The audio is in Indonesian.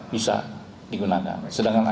bisa digunakan sedangkan